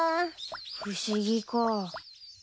不思議かぁ。